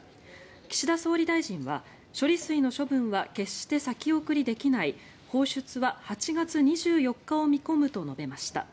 岸田総理大臣は、処理水の処分は決して先送りできない放出は８月２４日を見込むと述べました。